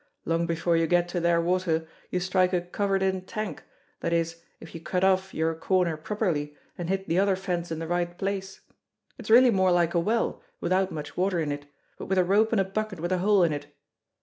Long before you get to their water, you strike a covered in tank, that is if you cut off your corner properly and hit the other fence in the right place. It's really more like a well, without much water in it, but with a rope and a bucket with a hole in it.